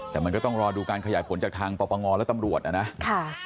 แต่มันก็ต้องรอดูการขยายผลจากทางปปงและตำรวจนะนะ